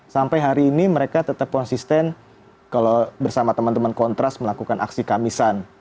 sampai hari ini mereka tetap konsisten kalau bersama teman teman kontras melakukan aksi kamisan